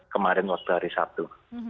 kemarin waktu hari sabtu